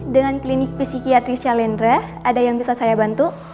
dengan klinik psikiatri syalendra ada yang bisa saya bantu